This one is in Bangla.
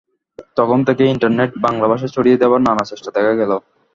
তখন থেকেই ইন্টারনেটে বাংলা ভাষা ছড়িয়ে দেওয়ার নানা চেষ্টা দেখা গেল।